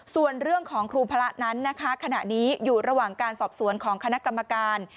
ส่วนเรื่องของครูพระนั้นนะคะขณะนี้อยู่ระหว่างการสอบสวนของคณะกรรมการ